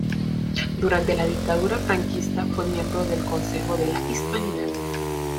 Durante la dictadura franquista fue miembro del Consejo de la Hispanidad.